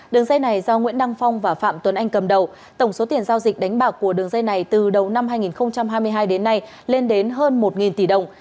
đường dây này do nguyễn đăng phong và phạm tuấn anh cầm đầu tổng số tiền giao dịch đánh bạc của đường dây này từ đầu năm hai nghìn hai mươi hai đến nay lên đến hơn một tỷ đồng